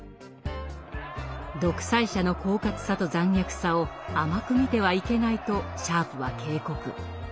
「独裁者の狡猾さと残虐さを甘く見てはいけない」とシャープは警告。